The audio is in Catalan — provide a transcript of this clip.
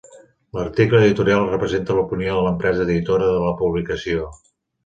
L'article editorial representa l'opinió de l'empresa editora de la publicació.